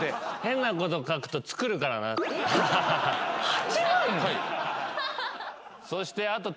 ８万！？